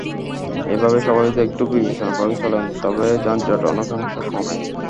এভাবে সবাই যদি একটু বিবেচনা করে চলেন, তবে যানজট অনেকাংশে কমে।